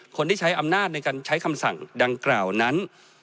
คนที่ใช้อำนาจในการใช้คำสั่งดังกล่าวนั้น